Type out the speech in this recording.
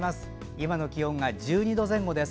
今の気温が１２度前後です。